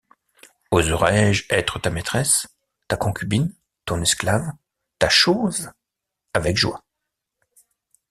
Oserai-je être ta maîtresse, ta concubine, ton esclave, ta chose? avec joie.